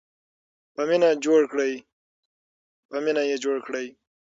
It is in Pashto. په مینه یې جوړ کړئ.